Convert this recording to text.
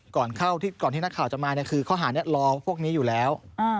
ก่อนเข้าก่อนที่นักข่าวจะมาคือข้อหานี้รอพวกนี้อยู่แล้ว